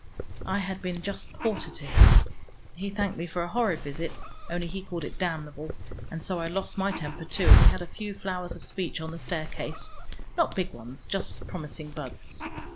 I had been just porter to him. He thanked me for a horrid visit, only he called it damnable, and so I lost my temper, too, and we had a few flowers of speech on the staircase, not big ones, but just promising buds.